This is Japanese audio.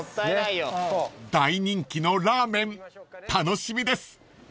［大人気のラーメン楽しみです］